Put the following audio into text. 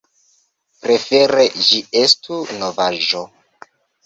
Prefere ĝi estu novaĵo.